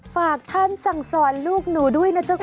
ฝากท่านสั่งสอนลูกหนูด้วยนะเจ้าค่ะ